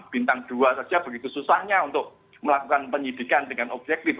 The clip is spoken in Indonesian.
bintang dua saja begitu susahnya untuk melakukan penyidikan dengan objektif